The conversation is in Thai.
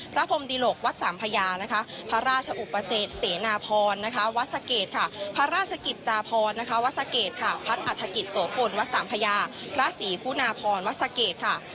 พระพรหมสิทธิค่ะพระพรหมสิทธิค่ะ